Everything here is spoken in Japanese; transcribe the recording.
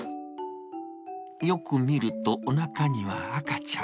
よく見ると、おなかには赤ちゃん。